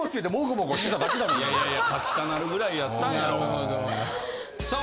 いやいや書きたなるぐらいやったんやろう。